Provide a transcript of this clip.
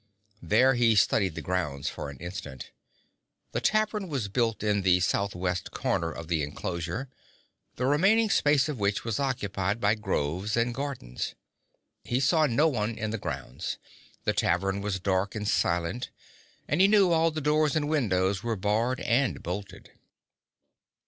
There he studied the grounds for an instant. The tavern was built in the southwest corner of the enclosure, the remaining space of which was occupied by groves and gardens. He saw no one in the grounds. The tavern was dark and silent, and he knew all the doors and windows were barred and bolted.